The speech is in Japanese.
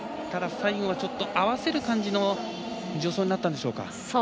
最後はちょっと合わせる感じの助走になったんでしょうか。